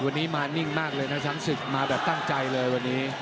วันนี้มานิ่งมากเลยนะช้างศึกมาแบบตั้งใจเลยวันนี้